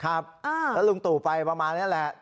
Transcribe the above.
แล้วลุงตู่ไปประมาณนี้แหละ